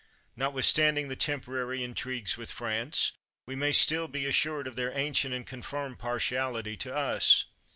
Notwithstanding the temporary in trigues with France, we may still be assured of their ancient and confirmed partiality to us.